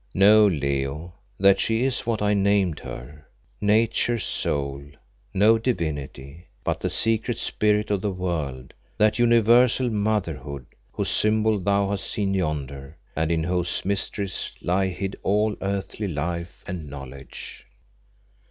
"Know, Leo, that she is what I named her Nature's soul, no divinity, but the secret spirit of the world; that universal Motherhood, whose symbol thou hast seen yonder, and in whose mysteries lie hid all earthly life and knowledge."